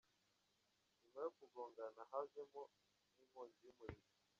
Nyuma yo kugongana, hajemo n’inkongi y’umuriro.